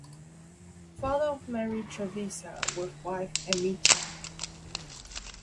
Father of Mary Trevisa with wife, Amicia.